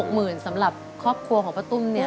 หมื่นสำหรับครอบครัวของป้าตุ้มเนี่ย